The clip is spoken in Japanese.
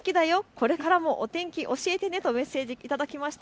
これからもお天気教えてねとメッセージ頂きました。